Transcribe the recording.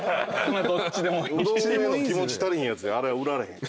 うどんへの気持ち足りひんやつにあれは売られへん。